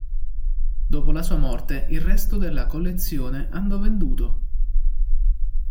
Dopo la sua morte il resto della collezione andò venduto.